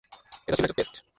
এটা ছিল একটা টেস্ট!